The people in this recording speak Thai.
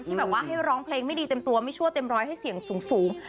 แบบว่าให้ร้องเพลงไม่ดีเต็มตัวไม่ชั่วเต็มร้อยให้เสียงสูง